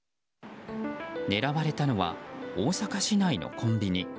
狙われたのは大阪市内のコンビニ。